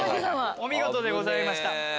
お見事でございました。